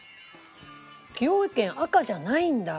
崎陽軒赤じゃないんだ。